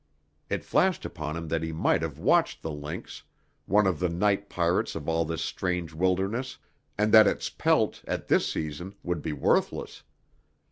It flashed upon him that he might have watched the lynx, one of the night pirates of all this strange wilderness, and that its pelt, at this season, would be worthless.